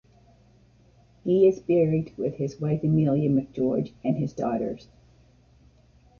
He is buried with his wife Emilia MacGeorge and his daughters.